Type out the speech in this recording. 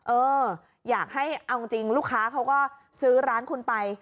เอออยากให้เอาจริงลูกค้าเขาก็ซื้อร้านคุณไป